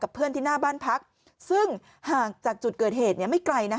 เพื่อนที่หน้าบ้านพักซึ่งห่างจากจุดเกิดเหตุไม่ไกล